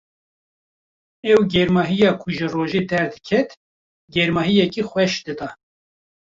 Ew germahiya ku ji royê derdiket, germahiyeke xweş dida.